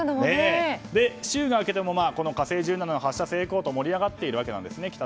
週が明けても「火星１７」の発射の成功で盛り上がっているんですね。